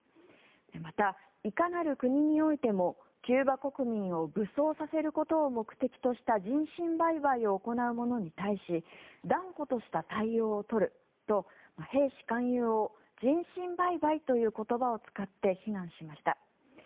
また、いかなる国においてもキューバ国民を武装させることを目的とした人身売買を行う者に対し断固とした対応を取ると兵士勧誘を人身売買という言葉を使って非難しました。